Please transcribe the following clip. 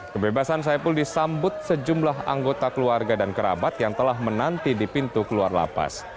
kebebasan saipul disambut sejumlah anggota keluarga dan kerabat yang telah menanti di pintu keluar lapas